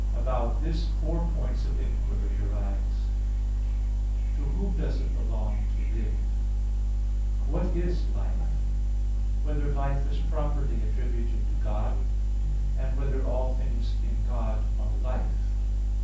About this, four points of inquiry arise: (1) To whom does it belong to live? (2) What is life? (3) Whether life is properly attributed to God? (4) Whether all things in God are life?